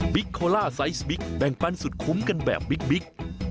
โคล่าไซส์บิ๊กแบ่งปันสุดคุ้มกันแบบบิ๊ก